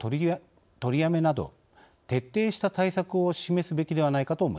・取りやめなど徹底した対策を示すべきではないかと思います。